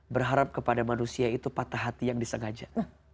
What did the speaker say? berharap kepada manusia itu patah hati yang disengaja